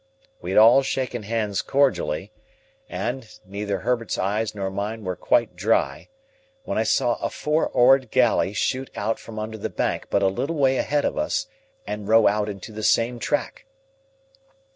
We had all shaken hands cordially, and neither Herbert's eyes nor mine were quite dry, when I saw a four oared galley shoot out from under the bank but a little way ahead of us, and row out into the same track.